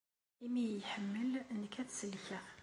Imi i iyi-iḥemmel, nekk ad t-sellkeɣ.